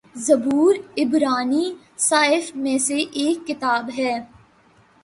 زبور عبرانی صحائف میں سے ایک کتاب ہے